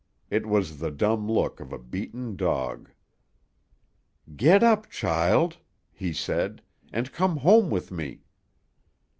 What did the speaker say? It was the dumb look of a beaten dog. "Get up, child," he said, "and come home with me."